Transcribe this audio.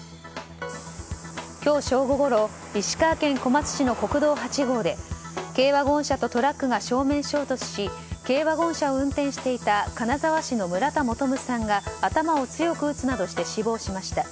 今日正午ごろ石川県小松市の国道８号で軽ワゴン車とトラックが正面衝突し軽ワゴン車を運転していた金沢市の村田求さんが頭を強く打つなどして死亡しました。